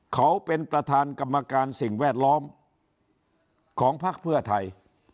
เขาเป็นประธานกรรมการสิ่งแวดล้อมของพักเพื่อไทย